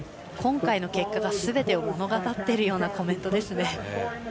今回の結果がすべてを物語るようなコメントですね。